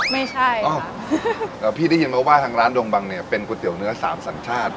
ไม่ใช่พี่ได้ยินมาว่าทางร้านดงบังเนี่ยเป็นก๋วยเตี๋ยวเนื้อสามสัญชาติ